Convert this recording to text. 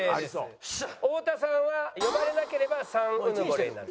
太田さんは呼ばれなければ３うぬぼれになる。